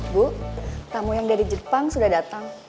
bu tamu yang dari jepang sudah datang